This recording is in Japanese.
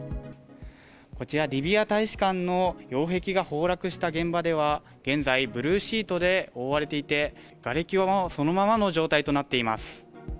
こちら、リビア大使館の擁壁が崩落した現場では、現在ブルーシートで覆われていて、がれきはそのままの状態となっています。